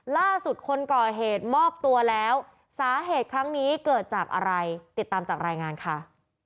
ล่าสุดคนก่อเหตุมอบตัวแล้วสาเหตุครั้งนี้เกิดจากอะไรติดตามจากรายงานค่ะ